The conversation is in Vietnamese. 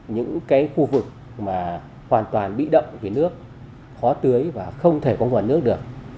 những cái khu vực mà hoàn toàn bị động về nước khó tưới và không thể có nguồn nước được